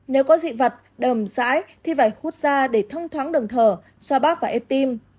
nếu có dị vật đờm dãi thì phải hút ra để thông thoáng đường thở xoa bác và ép tim